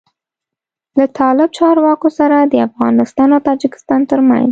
له طالب چارواکو سره د افغانستان او تاجکستان تر منځ